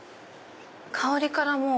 香りからもう。